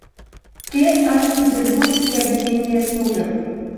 Приезд Анны в Петербург и объяснение с мужем.